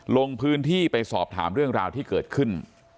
ลงพื้นที่ไปสอบถามเรื่องราวที่เกิดขึ้น